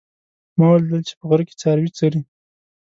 ما ولیدل چې په غره کې څاروي څري